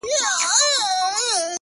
• هی توبه چي ورور له ورور څخه پردی سي,